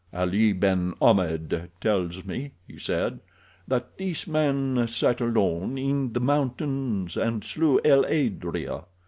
"Ali ben Ahmed tells me," he said, "that this man sat alone in the mountains and slew el adrea.